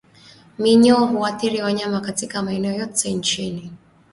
Minyoo huathiri wanyama katika maeneo yote nchini